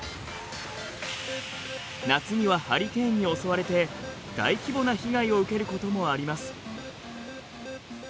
夏にはハリケーンに襲われて大規模な被害を受けることもあります。